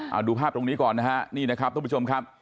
เอาดูภาพตรงนี้ก่อนนะฮะนี่นะครับทุกผู้ชมครับ